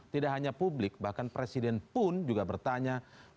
tidak hanya publik bahkan presiden pun juga bertanya